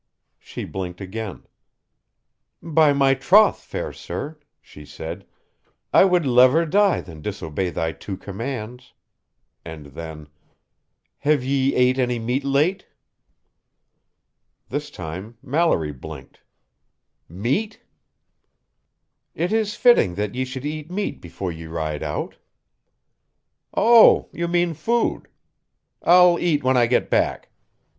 She blinked again. "By my troth, fair sir," she said, "I would lever die than disobey thy two commands." And then, "Have ye ate any meat late?" This time, Mallory blinked, "Meat?" "It is fitting that ye should eat meat afore ye ride out." "Oh, you mean food. I'll eat when I get back.